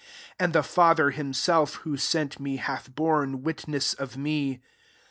37 And the father him self, who sent me, hath borne witness of me.